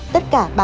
tất cả ba